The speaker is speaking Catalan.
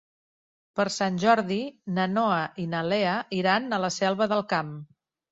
Per Sant Jordi na Noa i na Lea iran a la Selva del Camp.